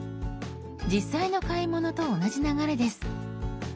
実際の買い物と同じ流れです。